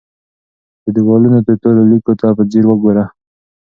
د دیوالونو تورو لیکو ته په ځیر وګوره.